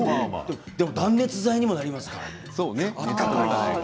でも断熱材になりますよね。